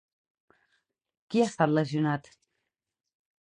Qui ha estat lesionat?